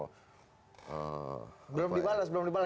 belum dibalas belum dibalas